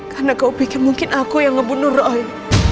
karena kau pikir mungkin aku yang membunuh roy